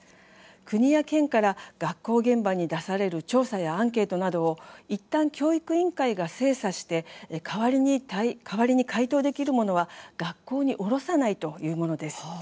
国や県から学校現場に出される調査やアンケートなどをいったん教育委員会が精査して代わりに回答できるものは学校におろさないというものです。